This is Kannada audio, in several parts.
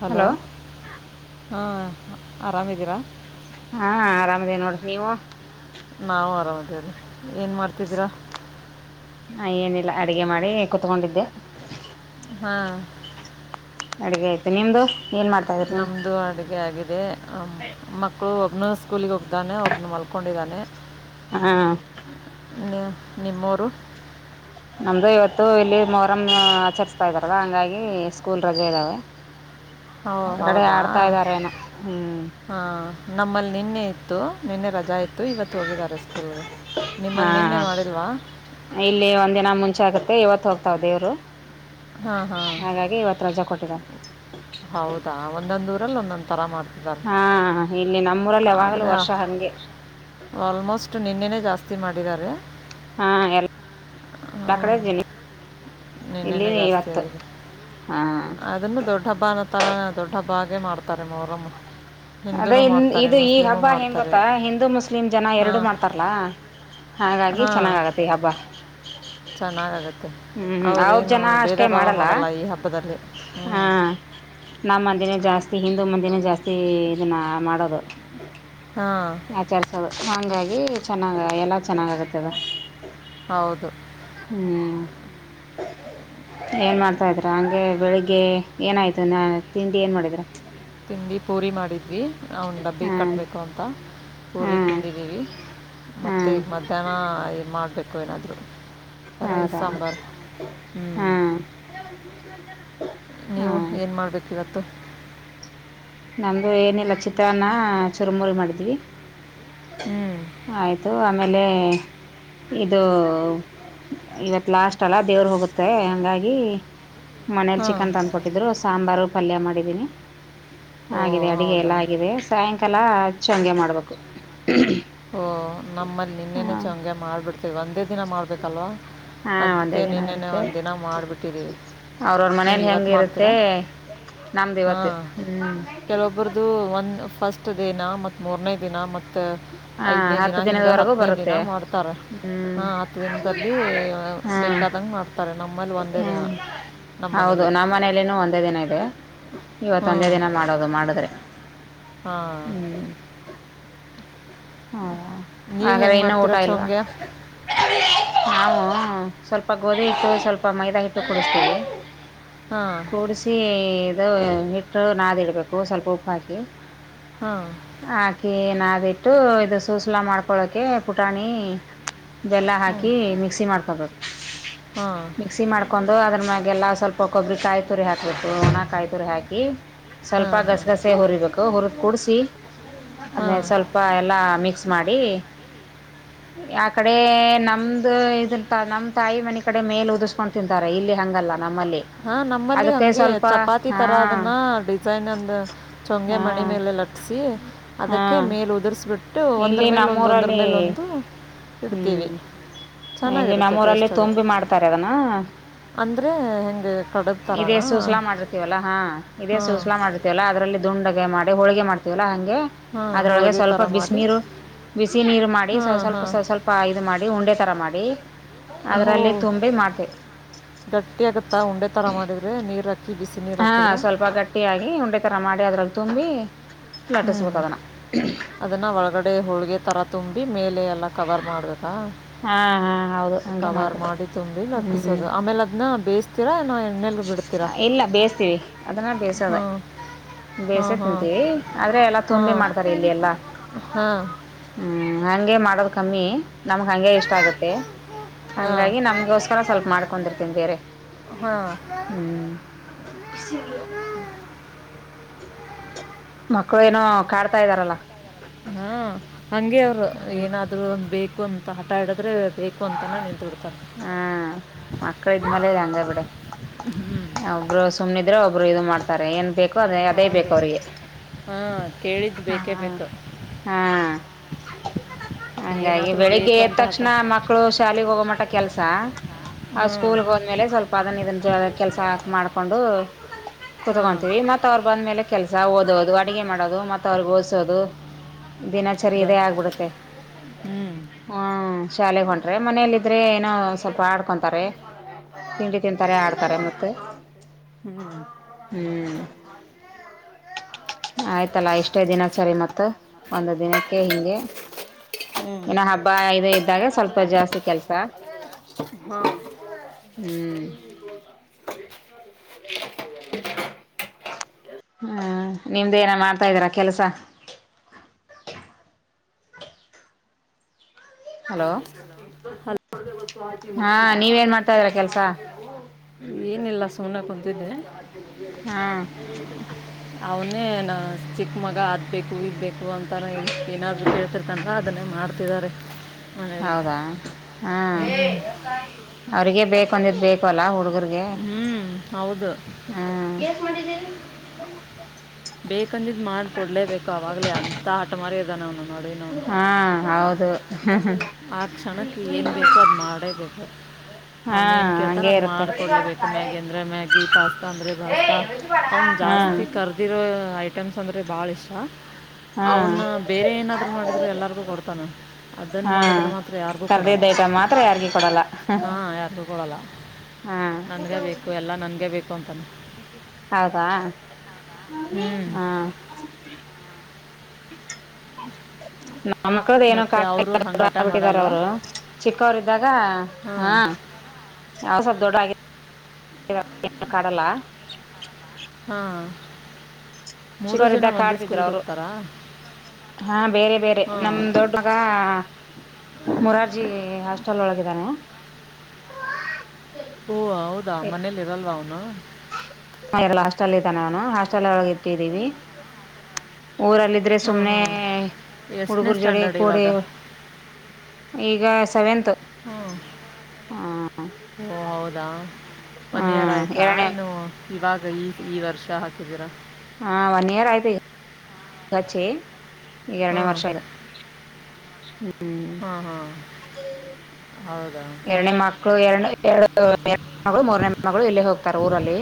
ಹಲೋ ಹಾ ಆರಾಮಿದ್ದೀರಾ. ಹಾ ಆರಾಮದೇ ನೋಡ್ರಿ ನೀವು. ನಾವು ಆರಾಮ್ದೇವೀ ಏನು ಮಾಡ್ತಿದ್ದೀರಾ. ಹಾ ಏನಿಲ್ಲ ಅಡಗೆ ಮಾಡಿ ಕುೂತ್ಕೊಂಡಿದ್ದೆ. ಹಾ ಅಡ್ಗೆ ಆಯ್ತು ನಿಮ್ದು. ಏನ್ ಮಾಡ್ತಾ ಇದ್ರಿ ನೀವು ನಮ್ದು ಅಡುಗೆ ಆಗಿದೆ ಮಕ್ಕಳು. ನ ಸ್ಕೂಲಿಗೆ ಹೋಗ್ದಾನೆ ಒಬ್ನು ಮಲ್ಕೊಂಡಿದ್ದಾನೆ. ಹಾ ನಿಮ್ಮ ನಿಮ್ಮೂರು. ನಮ್ದು ಇವತ್ತು ಇಲ್ಲಿ ಮೊಹರಂ ಆಚರಿಸತದಾರಲ್ಲ ಹಂಗಾಗಿ ಸ್ಕೂಲ್ ರಜೆ ಇದ್ದಾವೆ. ಹೋ ಹೊರಗಡೆ ಹೌದಾ ಆಡ್ತಾ ಇದ್ದಾರೇನ ಹ್ಮ್. ಹಾಂ ನಮ್ಮಲ್ಲಿ ನಿನ್ನೆ ಇತ್ತು. ನಿನ್ನೆ ರಜಾ ಇತ್ತು ಇವತ್ತು ಹೋಗಿದ್ದಾರೆ ಸ್ಕೂಲ್ಗೆ ನಿಮ್ಮಲ್ಲಿ ನಿನ್ನೆ ಮಾಡಿಲ್ವಾ. ಇಲ್ಲೇ ಒಂದ ದಿನ ಮುಂಚೆ ಮತ್ತೆ ಇವತ್ತು ಹೋಗ್ತಾವ ದೇವ್ರು. ಹಾ ಹಾ ಹಾಗಾಗಿ ಇವತ್ತು ರಜಾ ಕೊಟ್ಟಿದ್ದಾರೆ ಹೌದಾ ಒಂದೊಂದ್ ಊರಲ್ಲಿ ಒಂದೊಂದ್ ತರ ಮಾಡ್ತ. ಹಾ ಇಲ್ಲಿ ನಮ್ಮೂರಲ್ಲಿ [inaudible] ಯಾವಾಗ್ಲೂ ಆದ್ರ ವರ್ಷ ಹಂಗೆ ಆಲ್ಮೋಸ್ಟ್ ನಿನ್ನೇನೇ. ಜಾಸ್ತಿ ಮಾಡಿದ್ದಾರೆ. ಹಾ ಎಲ್ಲ ಎಲ್ಲಾ ಕಡೆ ಇದ್ದೀನಿ. ನಿನ್ನೆನ ಜಾಸ್ತಿ ಆಗಿದೆ ಹಾ ಅದನ್ನು ದೊಡ್ಡ ಹಬ್ಬ ಅನ್ನೊ ತರ ದೊಡ್ಡ ಹಬ್ಬಾಗೆ ಮಾಡ್ತಾರೆ ಮೊಹರಂ. ಅದೇ ಇಂದು ಈ ಹಬ್ಬ ಹೆಂಗ ಮಾಡ್ತಾರೆ ಗೊತ್ತಾ ಹಿಂದೂ ಮುಸ್ಲಿಂ ಜನ ಎರಡು ಹಾಂ ಮಾಡ್ತಾರಲಾ. ಹಾಗಾಗಿ ಹಾಂ ಚೆನ್ನಾಗಾಗತ್ತೆ ಈ ಹಬ್ಬ. ಚೆನ್ನಾಗಾಗತ್ತೆ ಹ್ಮ್ ಅವ್ರ ಅವರೇನು ಜನ ಭೇದ ಅಷ್ಟೇ ಭಾವ ಮಾಡಲ್ಲ ಈ ಹಬ್ಬದಲ್ಲಿ ಹ್ಞೂ ಹಾ ನಮ್ಮ ಮಂದಿನೇ ಜಾಸ್ತಿ ಹಿಂದೂ ಮಂದಿನೇ ಜಾಸ್ತಿ ಇದನ್ನ ಮಾಡೋದು ಹಾಂ ಆಚರ್ಸೋದು ಹಂಗಾಗಿ ಚೆನ್ನಾಗ ಎಲ್ಲ ಚೆನ್ನಾಗ ಆಗತ್ತೆ ಅದ ಹೌದು ಹ್ಮ್ ಏನ್ ಮಾಡ್ತಾ ಇದ್ರ ಹಂಗ್ ಗೆ ಬೆಳಿಗ್ಗೆ ಏನಾಯ್ತು ನ ತಿಂಡಿ ಏನ್ ಮಾಡಿದ್ರ ತಿಂಡಿ ಪೂರಿ ಮಾಡಿದ್ವಿ ಅವ್ನ ಡಬ್ಬಿಗೆ ಹಾ ಕಟ್ಟಬೇಕು ಅಂತ ಹಾ ಪೂರಿ ತಿಂದಿದ್ದೀವಿ ಹಾ ಮತ್ತೆ ಈಗ ಮಧ್ಯಾಹ್ನ ಏನ್ ಮಾಡ್ಬೇಕು ಏನಾದ್ರು ರೈಸ್ ಹೌದಾ ಸಾಂಬಾರ್ ಹಾ ಹ್ಮ್ ನೀವು ಹಾ ಏನು ಮಾಡ್ಬೇಕ ಇವತ್ತು. ನಮ್ದು ಏನಿಲ್ಲ ಚಿತ್ರಾನ್ನ ಚುರಮೂರಿ ಮಾಡಿದ್ವಿ. ಹ್ಞೂ ಆಯ್ತು ಆಮೇಲೆ ಇದು ಇವತ್ ಲಾಸ್ಟ್ ಅಲ್ಲ ದೇವ್ರ ಹೋಗುತ್ತೆ ಹಂಗಾಗಿ ಮನೇಲಿ ಹಾಂ ಚಿಕನ್ ತಂದುಕೊಟ್ಟಿದ್ರು ಸಾಂಬಾರು ಪಲ್ಯ ಮಾಡಿದ್ದೀನಿ ಓ ಆಗಿದೆ ಅಡಗೆ ಎಲ್ಲ ಹೌದಾ ಆಗಿದೆ ಸಾಯಂಕಾಲ ಹಚ್ಚು ಹಾಗಂಗೆ ಮಾಡ್ಬೇಕು ಓಹ ನಮ್ಮಲ್ಲಿ ನಿನ್ನೆನ ಚಂಗೆ ಮಾಡಿಬಿಡ್ತೀವಿ ಒಂದೇ ದಿನ ಮಾಡಬೇಕಲ್ವಾ ಹಾಂ ಒಂದೇ ಅದಕ್ಕೆ ದಿನ ನಿನ್ನೆ ಇರುತ್ತೆ ಒಂದು ದಿನ ಮಾಡಿಬಿಟ್ಟಿದ್ದೀವಿ ಅವ್ರವ್ರ ನೀವು ಮನೇಲಿ ಇವತ್ತು ಮಾಡ್ತೀರಾ ಹೆಂಗಿರುತ್ತೆ ನಮ್ದು ಹಾ ಇವತ್ತು ಹ್ಞೂ ಕೆಲವೊಬರ್ದು ಒಂದು ಫಸ್ಟ್ ದಿನ ಮತ್ತು ಮೂರನೇ ದಿನ ಮತ್ತು ಹಾಂ ಐದನೇ ದಿನ ಹತ್ತು ಹಿಂಗ ದಿನದವರೆಗೂ ಹತ್ತನೇ ದಿನ ಬರುತ್ತೆ ಮಾಡ್ತಾರೆ ಹ್ಞೂ ಹ ಹತ್ ದಿನದಲ್ಲಿ ಹಾಂ ದಂಗ್ ಮಾಡ್ತಾರೆ ನಮ್ಮಲ್ಲಿ ಒಂದೇ ದಿನ ಹ್ಮ್ ನಮ್ಮ ಹೌದು ಮನೇಲಿ ನಮ್ಮ ಮನೇೆಯಲ್ಲಿನೂ ಒಂದೇ ದಿನ ಇದೆ ಇವತ್ತ ಒಂದೇ ದಿನ ಮಾಡೋದು ಮಾಡಿದ್ರೆ ಹಾ ಹ್ಮ್ ಹ ಹಾಗ್ರೆ ಹೆಂಗೆ ಇನ್ನುೂ ಊಟ ಮಾಡ್ತೀರಾ ಇಲ್ವಾ ಚೋಂಗ್ಯಾ ನಾವು ಸ್ವಲ್ಪ ಗೋಧಿ ಹಿಟ್ಟು ಸ್ವಲ್ಪ ಮೈದಾ ಹಿಟ್ಟು ಕುೂಡಿಸ್ತೀವಿ ಹಾಂ ಕೂಡಿಸಿ ಇ ಹಿಟ್ಟು ನಾದ್ ಇಡಬೇಕು ಸ್ವಲ್ಪ ಉಪ್ಪು ಹಾಕಿ ಹಾಂ ಹಾಕಿ ನಾದಿಟ್ಟು ಇದು ಸೂಸಲಾ ಮಾಡ್ಕೊಳಕೆ ಪುಟಾಣಿ ಬೆ ಲ್ಲ ಹ್ಞೂ ಹಾಕಿ ಮಿಕ್ಸಿ ಮಾಡ್ಕೊಬೇಕು ಹಾಂ ಮಿಕ್ಸಿ ಮಾಡ್ಕೊಂಡು ಅದ್ರ ಮ್ಯಾಗೆಲ್ಲಾ ಸ್ವಲ್ಪ ಕೊಬ್ಬರಿ ಕಾಯಿ ತುರಿ ಹಾಕಕ್ಬಟ್ಟು ಹಣ ಕಾಯಿ ತುರಿ ಹಾಕಿ ಸ್ವಲ್ಪ ಹಾಂ ಹಾಂ ಗಸಗಸೆ ಹುರಿಬೇಕು ಹುರಿದ್ ಕುಡಸಿ ಅದೇ ಹಾಂ ಸ್ವಲ್ಪ ಎಲ್ಲಾ ಮಿಕ್ಸ್ ಮಾಡಿ ಆ ಕಡೆ ನಮ್ದ ಇದ ನಮ್ ತಾಯಿ ಮನೆ ಕಡೆ ಮೇಲ ಹದು ಕೊಂಡ್ ತಿಂತಾರೆ ಇಲ್ಲಿ ಹಂಗಲ್ಲ ನಮ್ಮಲ್ಲಿ ಹಾ ನಮ್ಮಲ್ಲಿ ಅದಕ್ಕೆ ಹಂಗೆ ಸ್ವಲ್ಪ ಚಪಾತಿ ತರ ಹಾಂ ಅದನ್ನ ಡಿಸೈನ್ ಅಂದ ಚೊಂಗೆ ಮಣಿ ಹಾಂ ಮೇಲೆಲಿಟ್ಟ ಅದಕ್ಕೆ ಹಾಂ ಮೇಲೆ ಉದುರ್ಸ್ಬಿಟ್ಟು ಒಂದರ ಮೇಲ್ ಒಂದು ಒಂದರ ಮೇಲ್ ಒಂದು ಹ್ಮ್ ಇಲ್ಲಿ ಚೆನ್ನಾಗಿರುತ್ತೆ ನಮ್ಮೂರಲ್ಲೇ ತೊಂಬಿ ಮಾಡ್ತಾರ ಅದನ ಅಂದ್ರೆ ಹೆಂಗೆ ಕಡುಬು ಇದೇ ಥರನಾ ಸೂಸ್ಲಾ ಮಾಡಿರ್ತೀವಲ್ಲಾ ಹಾ ಇದೇ ಹಾಂ ಸೂಸ್ಲಾ ಮಾಡಿರ್ತೀವಲ್ಲಾ ಅದರಲ್ಲಿ ದುಂಡ ಮಾಡಿ ಹೋಳ್ಗೆ ಮಾಡ್ತೀವಲ್ಲಾ ಹಂಗೆ ಹಾಂ ಅದ್ರೊಳಗೆ ಹೋಳಿಗೆ ಥರ ಸ್ವಲ್ಪ ಮಾಡಿ ಬಿಸ್ನೇ ರು ಬಿಸಿ ನೀರು ಮಾಡಿ ಸ್ ಹಾಂ ಸ್ವಲ್ಪ ಹಾಂ ಸ್ವಲ್ಪ ಇದು ಮಾಡಿ ಉಂಡೆ ತರ ಮಾಡಿ ಅದ್ರಲ್ಲಿ ತುಂಬಿ ಮಾಡ್ತೇವಿ ಗಟ್ಟಿ ಆಗತ್ತಾ ಉಂಡೆ ತರಾ ಮಾಡಿದ್ರೆ ನೀರ್ ಹ ಹಾ ಸ್ವಲ್ಪ ಗಟ್ಟಿಯಾಗಿ ಉಂಡೆ ತರ ಮಾಡಿ ಅದ್ರಾಗ ತುಂಬಿ ಲಟ್ಟಿಸ್ಬೇಕು ಹ್ಮ್ ಅದನ್ನ ಅದನ್ನ ಒಳಗಡೆ ಹೋಳ್ಗೆ ತರ ತುಂಬಿ ಮೇಲೆ ಎಲ್ಲ ಕವರ್ ಮಾಡ್ಬೇಕು ಹಾ ಹಾ ಹೌದು ಹಂಗೆ ಕವರ್ ಮಾಡ್ಬೇಕು ಮಾಡಿ ತುಂಬಿ ಹ್ಮ್ ನಟ್ಟಿಸೋದು ಆಮೇಲೆ ಅದ್ನ್ ಬೇಸ್ ಇಲ್ಲ ಬೇಯಿಸತೀವಿ ಅದನ್ನ ಬೇಯಸೋದ ಹಾಂ ಹಾಂ ಬೇಸೆ ಹಾಂ ತಿಂತೀವಿ ಆದ್ರೆ ಎಲ್ಲಾ ತುಂಬಿ ಹಾಂ ಮಾಡ್ತಾರೆ ಇಲ್ಲಿ ಎಲ್ಲಾ ಹಾಂ ಹ್ಮ್ ಹಂಗೆ ಮಾಡೋದು ಕಮ್ಮಿ ನಮ್ಗೆ ಹಂಗೆ ಇಷ್ಟ ಆಗುತ್ತೆ ಹಾಂ ಹಂಗಾಗಿ ನಮ್ಗಗೋಸ್ಕರ ಸ್ವಲ್ಪ ಮಾಡ್ಕೊಂಡಿರ್ತೀನಿ ಬೇರೆ ಹಾಂ ಹ್ಮ್ ಮಕ್ಕಳು ಏನೋ ಕಾಡ್ತಾ ಇದ್ದಾರಲ್ಲ ಹಾ ಹಂಗೆ ಅವ್ರು ಹ್ಮ ಏನಾದ್ರು ಒಂದು್ ಬೇಕು ಅಂತ. ಹಟ ಹಾಡಿದ್ರೆ ಬೇಕು ಅಂತಾನ ನಿಂತರು. ಹ್ಮ ಮಕ್ಕಳ ಇದ್ಮೇಲ ಹಂಗ ಬಿಡ ಒಬರು. ಸುಮ್ಮ್ದ್ರೆ ಒಬ್ರು ಇದು ಮಾಡ್ತಾರೆ ಏನ್ಕು. ಅದೇ ಅದೇ ಬೇಕು ಹೌದು ಅವ್ರಿಗೆ ಹಾಂ ಕೇಳಿದ್ದು ಹ ಬೇಕೇ ಬೇಕು ಹಾ. ಹಂಗಾಗಿ ಏನಾದರೂ ಬೆಳಿಗ್ಗೆ ಬೇಕು ಎದ ಅಂತ ತಕ್ಷಣ ಹಠ ಮಕ್ಕಳು ಶಾಲೆಗೆ ಹೋಗೋ ಮಟಕ್ಕೆ. ಕೆಲ್ಸ. ಆ್ ಹಾಂ ಸ್ಕೂಲ್ ಹೋದ್ಮೇಲೆ ಸ್ವಲ್ಪ ಅದನ್ನ ಇದನ್ ಕೆಲ್ಸಾ ಮಾಡ್ಕೊಂಡು ಹಾಂ ಕೂತುಗೊನ್ತೀವಿ ಮತ್ತತ್ ಅವ್ರು ಬಂದ್ಮೇಲೆ ಕೆಲ್ಸ ಓದೋದು ಅಡಗೆ ಮಾಡೋದು ಮತ್ತತ್ ಅವ್ರಗ್ ಓದಸೋದು. ದಿನಾಚರಿ ಬ ಇದೇ ಆಗ್ಬಿಡುತ್ತೆ ಹ್ಞೂ ಹ್ಮ ಶಾಲೆಗೆಗ್ ಹೊೊಂಡ್ರೆ ಮನೇೆಯಲ್ಲಿ. ಮೆ ಏನೋ ಸ್ವಲ್ಪ ಆಡ್ಕೊಂತಾರೆ ತಿಂಡಿ ತಿಂತಾರೆ ಆಡ್ತಾರೆ ಮತ್ತ. ಹ್ಞೂ ಹ್ಮ್. ಆಯ್ತಲ್ಲ ಇಷ್ಟೇ ದಿನಚರಿ ಮತ್ತ ಒಂದು ದ. ಹಿಂಗೆ ಹ್ಞೂ ಇನ್ನು ಹಬ್ಬ ಇದು ಇದ್ದಾಗ ಸ್ವಲ್ಪ ಜಾಸ್ತಿ ಕೆಲ್ಸ. ಹಾಂ ಹ್ಮ್.. [inaudible] ಹ್ಮ್ ನಿಮ್ದ ಏನ ಮಾಡ್ತಾದೀರಾ ಕೆಲಸ. ಹಲೋ ಹೆಲೋ [unintelligible] ವಸ್ತು ಆಕಿ ಮುದ. ಹಾ ನೀವೇನ್ ಮಾಡ್ತಾ ಇದೀರಾ ಕೆಲ್ಸ ಏನಿಲ್ಲ ಸುಮ್ನ ಕುಂತಿದ್ದಿ. ಹಾ ಅವನೇ ನ ಚಿಕ್ಕ ಮಗ ಅ. ಬೇಕು ಈಗ್ ಬೇಕು ಅಂತಾನ ಏನಾದ್ರರು ಕೇಳ್ತಿರ್ತನ್ ಅದನ್ನೇ ಮಾಡ್ತಿದಿದ್ದಾರೆ. ಹೌದಾ ಹಾ ಅವ್ರಗ ಬೇಕ ಅಂದಿದು ಬೇಕು ಅಲ್ಲ ಹುಡುಗರು. ಹ್ಞೂ ಹೌದು [unintelligible] ಹ್ಮ್. ಬೇಕಂದಿದ್ದ್ ಮಾಡ್ಕೊಡ್ಲೇಬೇಕು ಅವಾಗ್ಲೇ ಅಂತ ಆಟ ಮಾರದ ಅವನು. ನೋಡಿ ಅವನು ಹಾ ಹೌದು. ಆ ಕ್ಷಣಕ್ಕೆ ಏನ್ ಬೇಕು ಅದು ಮಾಡೇಬೇಕು. ಹಾ ಅವನ ಏನ್ ಕೇಳ್ತಾನ ಹಂಗೆ ಅದ್ ಇರುತ್ತೆ ಮಾಡ್ಕೊಡ್ಲೇಬೇಕು ಮ್ಯಾಗಿ ಅಂದ್ರೆ ಮ್ಯಾಗಿ ಪಾಸ್ತಾ ಅಂದ್ರೆ ಪಾಸ್ತಾ ಅವನ. ಹಾ ಜಾಸ್ತಿ ಕರ್ದಿರೋ ಐಟಮ್ಸ್ ಅಂದರೆ ಭಾಳ ಇಷ್ಟ. ಹಾ ಅವನ್ನ ಬೇರೆ ಏನಾದ್ರು ಮಾಡಿದ್ರರು ಎಲ್ಲಾರ್ಗೂ ಕೊಡ್ತಾನ ಅದನ್ನ ಹ ಮಾಡಿದ್. ಕರ್ದದಯತ ಮಾತ್ರ ಯಾರ್ಗ ಕೊಡಲ್ಲ. ಲ್ಲ ಹಾ ನನ್ಗೆ ಬೇಕು ಎಲ್ಲ ನನ್ಗೆ ಬೇಕು. ಅಂತಾನೆ ಹೌದಾ ಹ್ಞೂ ಹಾ [inaudible] ನಮ್ಮ ಮಕ್ಳದ ಏನು ಕಾ ಮತ್ತು ಅವರು ಹಂಗೆ ಹಠ ಬಿಟ್ಟಿದಾರ ಮಾಡಲ್ವಾ ಅವರು ಚಿಕ್ಕವರು ಇದ್ದಾಗ ಹ ಹಾಂ ಯಾವಸವಲ್ ದೊಡ್ಡ ಕಾಡಲ್ಲ ಹಾ ಚಿಕ್ಕವರು್ದಕ್ ಆಡ್ತಿದ್ರು ಅವರು [inaudible] ಹಾ ಬೇರೆ ಬೇರೆ ಹಾಂ ನಮ್ದ ದೊಡ್ಡವಾಗ ಮುರಾರ್ಜಿ ಹಾಸ್ಟೆಲ್ ಒಳಗೆ ಇದ್ದಾನೆ ಓ ಹೌದಾ ಮನೆಯಲ್ಲಿ ಇರಲ್ಲ ಅವನು ಹಲ್ಲ ಅವ್ನು ಹಾಸ್ಟೆಲ್ ಇದ್ದ ನಾನು ಹಾಸ್ಟೆಲ್ ಒಳಗೆ ಇಟ್ಟಿದ್ದೀವಿ ಊರಲ್ಲಿದ್ರೆ ಹಾಂ ಸುಮ್ಮ್ನೆ ಹಾಂ ಎಷ್ಟನೇ ಹುಡುಗರು ಜೋಡೆ ಸ್ಟ್ಯಾಂಡರ್ಡ್ ಕೂಡೆ ಇವಾಗ ಈಗ ಸೆವೆಂತ್ ಹ್ಞೂ ಹ ಓ ಹೌದಾ ಹ ಒನ್ ಇಯರ್ ಆಯ್ತಾ ಎರಡನೇ ಇನ್ನು ಇವಾಗ ಈ ಈ ವರ್ಷ ಹಾಕಿದೀರಾ ಹಾ ಒನ್ ಇಯರ್ ಆಯ್ತು ಈಗಚ್ಚಿ ಈಗ ಎರನೇ ಹಾಂ ವರ್ಷ ಆಗ ಹ ಹಾ ಎರಡನೇ ಮಕ್ಕಳು ಎರಡ ಎರಡು ಎರಡ ಮ ಮೂರನೇ ಮಗಳು ಇಲ್ಲೇ ಹೋಗ್ತಾರ ಊರಲ್ಲಿ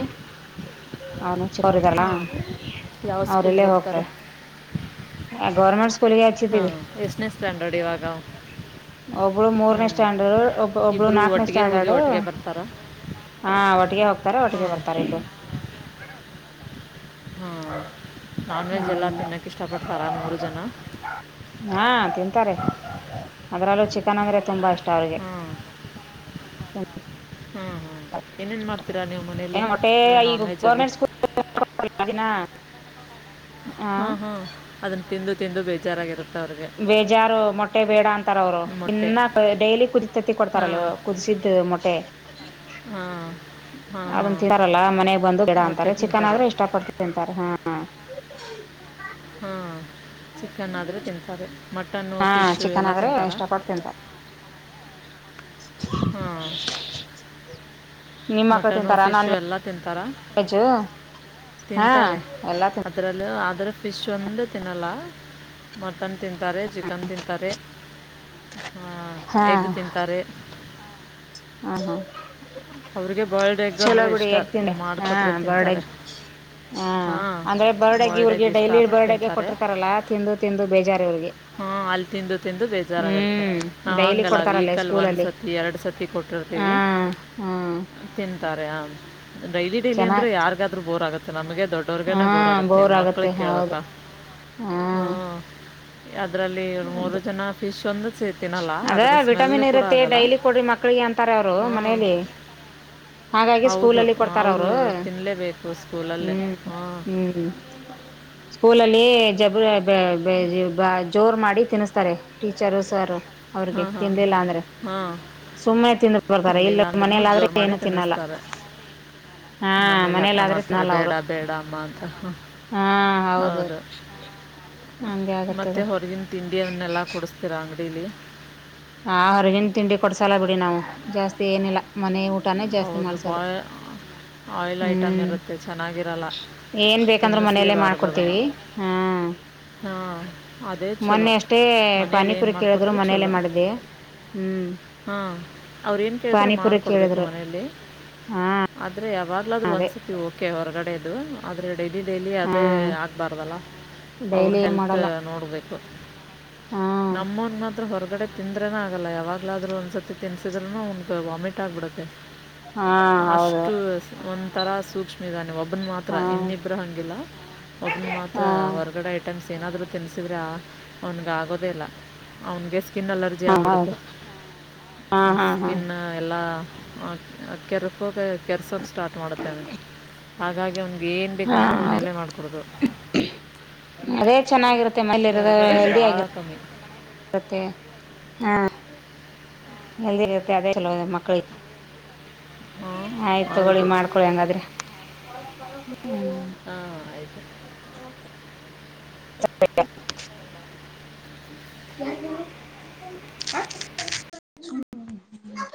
ಅವನು ಚೋರಿದಲ್ಲ ಹಾಂ ಯಾವ ಅವ್ರಲ್ಲೇ ಸ್ಕೂಲಿಗೆ ಹೋಗ್ತ ಹೋಗ್ತಾರೆ ಹಾ ಎಷ್ಟನ ಸ್ಲಂಡೋಡಿ ಇವಾಗ ಒ ಹ್ಞೂ ಮೂರನೇ ಸ್ಟ್ಯಾಂಡರ್ಡ್ ಒಬ್ ಒಬ್ಳ ಇಬ್ಬರು ನಾಕನೇ ಒಟ್ಟಿಗೆ ಹೋಗಿ ಸ್ಟ್ಯಾಂಡರ್ಡ್ ಒಟ್ಟಿಗೆ ಬರ್ತಾರಾ ಹ ಒಟ್ಟಿಗೆ ತರ ಒಟ್ಟಿಗೆ ಹಾಂ ಬರ್ತಾರೆ ಇದು ಹಾ ನಾನ್ ವೆಜ್ ಎಲ್ಲ ತಿನ್ನೋಕ್ಕೆ ಇಷ್ಟಪಡ್ತಾರಾ ಮೂರು ಜನ ಅದರಲ್ಲೂ ಚಿಕನ್ ಅಂದ್ರೆ ತುಂಬಾ ಇಷ್ಟ ಹ್ಮ್ ಹ ಹೂ ಹೂ ಏನೇನು ಮಾಡ್ತೀರಾ ನೀವು ಏ ಮನೆಯಲ್ಲಿ ನಾನ್ ವೆಜ್ಜಲ್ಲಿ ಸ್ವಲ್ಪ ದಿನ ಹ ಹಾ ಅದನ್ನ ತಿಂದು ತಿಂದು ಬೇಕು ಬೇಜಾರು ಮೊಟ್ಟೆ ಬೇಡ ಅಂತಾರ ಅವ್ರು ಮೊಟ್ಟೆ ಇನ್ನ ಡೈಲಿ ಕುಡಿತೀರ್ತಾರೆ ಕೊಡ್ತಾರಲ್ ಕುದಿಸಿದ್ದ ಮೊಟ್ಟೆ ಹಾ ಅದನ್ ತಿಂತಾರಲ್ಲಾ ಮನೆಗ್ ಬಂದು ಗಿಡ ಅಂತಾರೆ ಚಿಕನ್ ತಿಂತಾರೆ ಆದ್ರೆ ಇಷ್ಟ ಪಡ್ತ ತಿಂತಾರೆ ಹ ಹಾ ಹಾ ಚಿಕನ್ ಆದ್ರೆ ತಿಂತಾರೆ ಮಟನ್ ಮಟನ್ನು ಹಾ ಫಿಶು ಚಿಕನ್ ಎಲ್ಲ ಆದ್ರೆ ತಿಂತಾರಾ ಇಷ್ಟಪಟ್ಟು ತಿಂತಾರೆ ಹೂ ನಿಮ್ಮ ಮಕ್ಕಳ ತಿಂತಾರಾ ನಾನ್ ವೆಜ್ ಎಲ್ಲ ತಿಂತಾರಾ ಜು ಹಾ ಎಲ್ಲಾ ತಿ ಇಲ್ಲ ಆದರೆ ಫಿಶ್ ಒಂದು ತಿನ್ನಲ್ಲ ಮಟನ್ ತಿಂತಾರೆ ಚಿಕನ್ ತಿಂತಾರೆ ಹಾ ಹಾ ಎಗ್ ತಿಂತಾರೆ ಹಾ ಹಾ ಅವ್ರಿಗೆ ಬಾಯ್ಲ್ಡ್ ಎಗ್ ಚಲೋ ಅಂದರೆ ಬಿುಡಿ ಇಷ್ಟ ಯಕ್ ತಿಂಡೆ ಹಾ ಮಾಡಿಕೊಟ್ರೆ ತಿಂತಾರೆ ಬಾರ್ಡಗ್ ಹಾ ಹಾಂ ಅಂದ್ರೆ ಬರ್ಡಗೆ ಬಾಯ್ಲ್ಡ್ ಇವ್ರಿಗೆ ಎಗ್ ಡೈಲಿ ಇಷ್ಟಪಟ್ಟು ಬರ್ಡಗೆ ತಿಂತಾರೆ ಕೊಟ್ಟಿರ್ತಾರಲ್ಲಾ ತಿಂದು ತಿಂದು ಬೇಜಾರಿ ಇವ್ರಿಗೆ. ಹಾ ಅಲ್. ತಿಂದು ಬೇಜಾರಾಗಿರುತ್ತೆ ಹ್ಮ್ ಡೈಲಿ ಹಂಗಲ್ಲ ಕೊಡ್ತಾರಲ್ಲೇ ವೀಕಲ್ ಒಂದ್ ಸತಿ ಎರಡ್ ಸತಿ ಕೊಟ್ಟಿರ್ತೀವಿ. ಹ ಹ್ಮ. ತಿಂತಾರೆ ಆ ಡೈಲಿ ಡೈಲಿ ಅಂದ್ರೆ ಚೆನ್ನಾಗ್ ಯಾಗಾದ್ರು ಬೋರ್ ಆಗುತ್ತೆ ನಮಗೆ. ಹಾ ದೊಡ್ಡೋರ್ಗನ ಬೋರ್ ಆಗತ್ತೆ ಇನ್ ಆಗತ್ತೆ ಮಕ್ಳಿಗೆ ಹೌದು ಕೇಳ್ಬೇಕಾ ಹಾ. ಅದ್ರಲ್ಲಿ ಮೂರು ಹೌದು ಜನ ಫೀಸ್ ಒಂದು. ಸೇ ತಿನ್ನಲ್ಲ ಅದ ಅದರ ವಿಟಮಿನ್ ಸ್ಮೆಲ್ಲು ಕೂಡ ಇರುತ್ತೆ ಆಗಲ್ಲ ಡೈಲಿ ಕೊಡ್ರಿ ಮಕ್ಳಿಗೆ ಅಂತಾರ ಅವರು ಹ್ಞೂ ಮನೇಲಿ. ಹಾಗಾಗಿ ಹೌದು ಸ್ಕೂಲಲ್ಲಿ ಕೊಡ್ತಾರ ಅವರು ತಿನ್ನಲೇಬೇಕು ಸ್ಕೂಲಲ್ಲೇ ಹ್ಮ್ ಹ್ಞೂ ಹ್ಮ್. ಸ್ಕೂಲಲ್ಲಿ. ಜಬ ಜೋರ್ ಮಾಡಿ ತಿನ್ಸ್ತಾರೆ ಟೀಚರು ಸರ್. ಅವ್ರಗೆ ಹಾಂ ಹಾಂ ತಿನ್ಲಿಲ್ಲ ಅಂದ್ರೆ. ಹಾಂ ಸುಮ್ಮನೆ ತಿಂದು ಬರ್ತಾರ ಇಲ್ಲ ತಿನ್ನಲಿಲ್ಲ ಅಂದ್ರೂ ಮನೆಲ್ಲಾದ್ರೆ ಜೋರು ಮಾಡಿ ಏನು ತಿನ್ನಲ್ಲ ತಿನ್ನಿಸ್ತಾರೆ ಹಾ ಮನೇಲಿ ಹಟ ಮನೇಲಾದ್ರೆ ಮಾಡ್ತಾರೆ ತಿನ್ನಲ್ಲ ಬೇಡ ಅವರು ಬೇಡ ಅಮ್ಮ ಅಂತ. ಹೌದು ಹಂಗೆ ಮತ್ತೆ ಆಗತ್ತದು ಹೊರಗಿನ ತಿಂಡಿಯನ್ನೆಲ್ಲಾ ಕುಡಸ್ತೀರ ಅಂಗಡಿಲಿ. ಹಾ ಹೊರಗಿನ ತಿಂಡಿ ಕೊಡ್ಸಲ ಬಿಡಿ ನಾವು ಜಾಸ್ತಿ ಏನಿಲ್ಲಾ. ಹೌದು ಬಾಯ. ಆಯಿಲ್ ಐಟಮ್ ಹ್ಮ್ ಇರುತ್ತೆ ಚೆನ್ನಾಗಿರಲ್ಲ ಏನ್ ಬೇಕಂದ್ರು ಮನೆಯಲ್ಲೇ ತಿನ್ನಿಸಲೇಬಾರ್ದ ಅದನ್ನ ಮಾಡ್ಕೊಡ್ತೀವಿ ಹಾ ಹಾಂ ಅದೇ ಚಲೋ ಮೊನ್ನೆ ಅಷ್ಟೇ ಮನೇಲಿ ಏನು ಪಾನಿಪುರಿ ಕೇಳಿದ್ರು ಮಾಡ್ಕೊಟ್ರು ಮನೆಯಲ್ಲೇ ಚಲೋ ಮಾಡಿದ್ದೆ ಹ್ಮ್ ಹಾ ಅವ್ರೇನ್ ಕೇಳಿದ್ರು ಪಾನಿಪುರಿ ಮಾಡ್ಕೊಡ್ಬೇಕು ಕು ಕೇಳಿದ್ರು ಮನೇಲಿ ಹಾ ಆದ್ರೆ ಯಾವಾಗ್ಲಾದ್ರೂ ಅದೇ ಒಂದ್ ಸತಿ ಓಕೆ ಹೊರಗಡೆದು ಆದ್ರೆ ಡೈಲಿ ಡೈಲಿ ಹಾ ಅದೇ ಆಗಬಾರ್ದಲ್ಲ ಅವ್ರ್ ಡೈಲಿ ಏನ್ ಹೆಲ್ತ್ ಮಾಡಲ್ಲ ನೋಡ್ಬೇಕು ಹಾ ನಮ್ಮೋನ್ ಮಾತ್ರ ಹೊರಗಡೆ ತಿಂದ್ ದ್ರೇನೆ ಆಗಲ್ಲ ಯಾವಾಗಲಾದ್ರೂ ಒಂದ್ಸರ್ತಿ ತಿನ್ಸಿದ್ರೂನು ಅವ್ನಿಗ ವಾಮಿಟ್ ಆಗ್ಬಿಡುತ್ತೆ ಹಾ ಹೌದು ಅಷ್ಟು ಒಂಥರ ಸೂಕ್ಷ್ಮಿದಾನೆ ಒಬ್ಬನ್ ಮಾತ್ರ ಹಾ ಇನ್ನಿಬ್ಬ್ರ ಹಂಗಿಲ್ಲ ಒಬ್ಬನ್ ಮಾತ್ರ ಹಾ ಹೊರಗಡೆ ಐಟಮ್ಸ್. ಏನಾದ್ರು ತಿನ್ಸಿದ್ರಾ ಅವ್ನಿಗಾಗೋದೇ ಇಲ್ಲ ಅವ್ನಿಗೆ ಸ್ಕಿನ್ ಅಲರ್ಜಿ ಹಾ ಆಗ್ಬಿಡುತ್ತೆ ಹೌದು ಹಾ ಹಾ ಹಾ ಸ್ಕಿನ್ ಎಲ್ಲ ಹಾ ಕೆರೆಕೋಗ ಕೆರೆಸಕ್ಕೆ ಸ್ಟಾರ್ಟ್ ಮಾಡುತ್ತೇವೆ ಹಾಗಾಗಿ ಅವ್ನಿಗ್ ಹಾ ಹೌದು ಅದೇ ಚೆನ್ನಾಗಿರುತ್ತೆ. ತ್ತೆ ಮನೆಲಿರೋದು ಹೊರ್ಗಡೆದು ಹೆಲ್ದಿ ಭಾಳ ಆಗಿರತ್ತ್ ಕಮ್ಮಿ ಮತ್ತೆ ಹಾ ಹೆಲ್ದಿ ಇರುತ್ತೆ ಅದೇ ಚಲೋ ಇದೆ ಮಕ್ಕಳಿಗ್ ಹಾಂ ಆಯ್ತು ತಗೊಳ್ಳಿ ಹೌದು ಮಾಡ್ಕೊಳಿ ಹಂಗಾದ್ರೆ ಹಾಂ ಆಯಿತು [unintelligible] [unintelligible]